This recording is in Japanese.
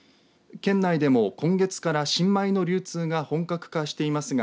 県内でも今月から新米の流通が本格化していますが